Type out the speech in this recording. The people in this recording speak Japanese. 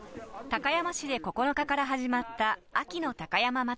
高山市で９日から始まった秋の高山祭。